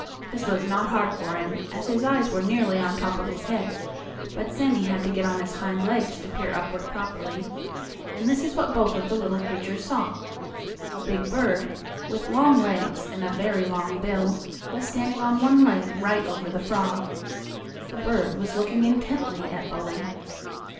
This was not hard for him, as his eyes were nearly on top of his head, but Sammie had to get on his hind legs to peer upward properly. And this is what both of the little creatures saw: A big bird, with long legs and a very long bill, was standing on one leg right over the frog. The bird was looking intently at Bully.